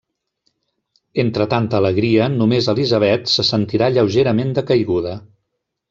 Entre tanta alegria, només Elizabeth se sentirà lleugerament decaiguda.